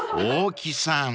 ［大木さんー］